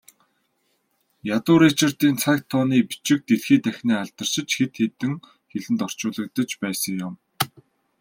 Ядуу Ричардын цаг тооны бичиг дэлхий дахинаа алдаршиж, хэд хэдэн хэлэнд орчуулагдаж байсан юм.